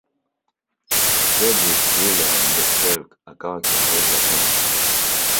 Fredrick Willeum De Krelk akawa kiongozi wa chama tawala